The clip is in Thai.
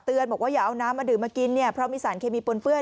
เตือนบอกว่าอย่าเอาน้ำมาดื่มมากินเพราะมีสารเคมีปุ่นเฟื่อ